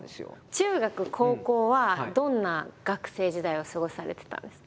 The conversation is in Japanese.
中学高校はどんな学生時代を過ごされてたんですか？